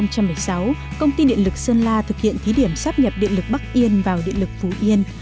năm hai nghìn một mươi sáu công ty điện lực sơn la thực hiện thí điểm sắp nhập điện lực bắc yên vào điện lực phú yên